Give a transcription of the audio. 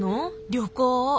旅行！